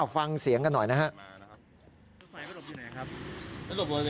ฟังเสียงกันหน่อยนะครับ